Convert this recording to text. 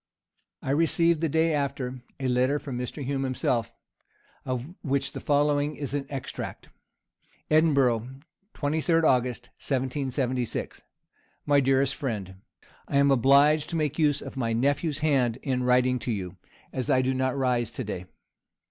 I received, the day after, a letter from Mr. Hume himself, of which the following is an extract: "Edinburgh, 23d August, 1776. "MY DEAREST FRIEND, "I am obliged to make use of my nephew's hand in writing to you, as I do not rise to day.